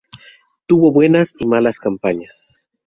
Tuvo buenas y malas campañas.